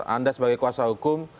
anda sebagai kuasa hukum